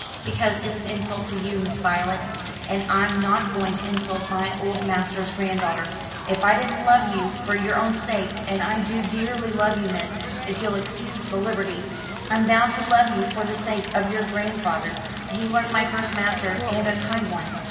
"Because it's an insult to you, Miss Voylet; and I'm not going to insult my old master's granddaughter. If I didn't love you for your own sake and I do dearly love you, miss, if you'll excuse the liberty I'm bound to love you for the sake of your grandfeyther. He was my first master, and a kind one.